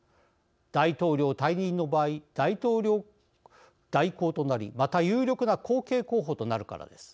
大統領退任の場合大統領代行となりまた、有力な後継候補となるからです。